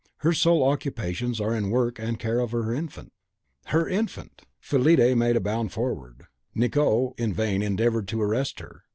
"Her sole occupations are in work, and care of her infant." "Her infant!" Fillide made a bound forward. Nicot in vain endeavoured to arrest her.